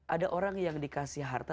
ada orang yang dikasih harta